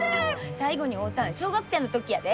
最後に会うたん小学生の時やで。